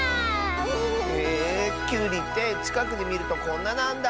へえきゅうりってちかくでみるとこんななんだ。